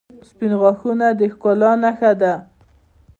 • سپین غاښونه د ښکلا نښه ده.